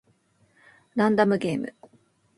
ランダムゲーム